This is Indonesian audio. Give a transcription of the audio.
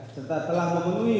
serta telah memenuhi